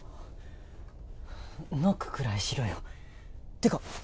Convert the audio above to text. ノックくらいしろよてか！